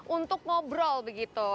untuk ngobrol begitu